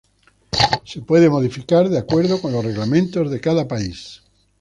Se pueden modificar de acuerdo con los reglamentos de cada país.